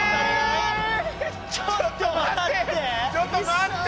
ちょっと待って。